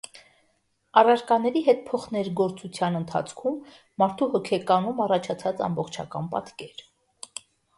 Առարկաների հետ փոխներգործության ընթացքում մարդու հոգեկանում առաջացած ամբողջական պատկեր։